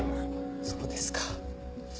そうですか。